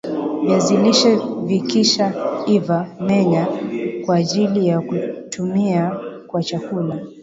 viazi lishe vikisha iva menya kwaajili ya kutumia kwa chakula